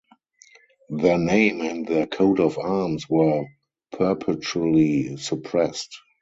Their name and their coat of arms were perpetually suppressed.